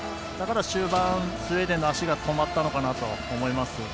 だから終盤、スウェーデンの足が止まったのかなと思います。